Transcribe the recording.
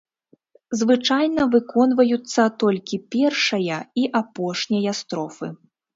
Звычайна выконваюцца толькі першая і апошняя строфы.